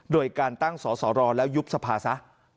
โดยการตั้งสสรแล้วยุบสภาซะ